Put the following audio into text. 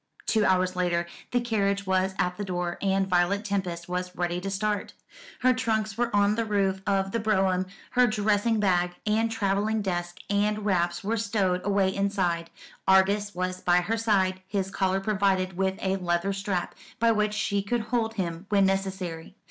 Two hours later the carriage was at the door, and Violet Tempest was ready to start. Her trunks were on the roof of the brougham, her dressing bag, and travelling desk, and wraps were stowed away inside; Argus was by her side, his collar provided with a leather strap, by which she could hold him when necessary.